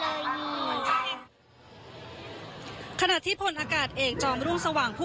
ก็จะมีการพิพากษ์ก่อนก็มีเอ็กซ์สุขก่อน